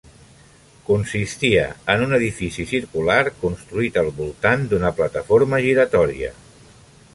Consistia en un edifici circular construït al voltant d'una plataforma giratòria.